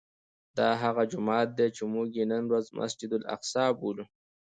دا هغه جومات دی چې موږ یې نن ورځ مسجد الاقصی بولو.